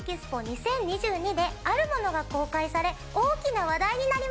２０２２であるものが公開され大きな話題になりました。